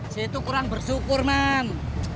situ kurang bersyukur man